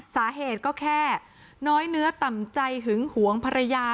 สาเหตุก็แค่น้อยเนื้อต่ำใจหึงหวงภรรยา